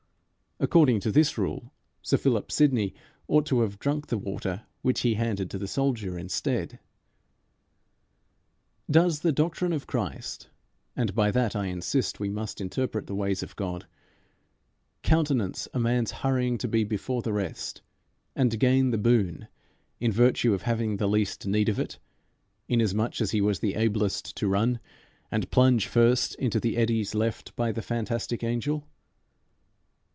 According to this rule, Sir Philip Sidney ought to have drunk the water which he handed to the soldier instead. Does the doctrine of Christ, and by that I insist we must interpret the ways of God, countenance a man's hurrying to be before the rest, and gain the boon in virtue t of having the least need of it, inasmuch as he was the ablest to run and plunge first into the eddies left by the fantastic angel?